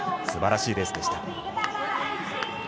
すばらしいレースでした。